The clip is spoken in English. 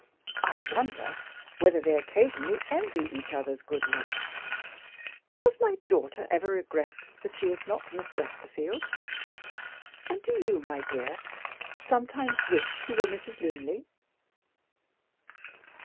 I wonder whether they occasionally envy each other's good looks? Does my daughter ever regret that she is not Miss Westerfield? And do you, my dear, some times wish you were Mrs. Linley?"